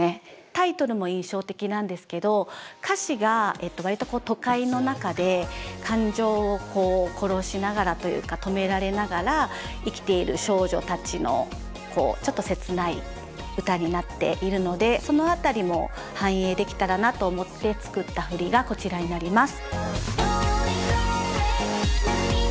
タイトルも印象的なんですけど歌詞が割と都会の中で感情を殺しながらというか止められながら生きている少女たちのこうちょっと切ない歌になっているのでその辺りも反映できたらなと思って作った振りがこちらになります。